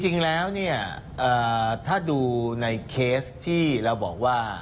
จริงแล้วเนี่ยถ้าดูในเคสที่เราบอกว่า